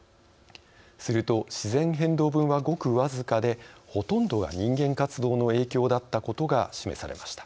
すると自然変動分は、ごく僅かでほとんどが人間活動の影響だったことが示されました。